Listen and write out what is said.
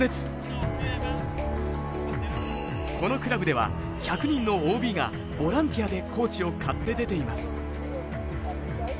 このクラブでは１００人のＯＢがボランティアでコーチを買って出ています。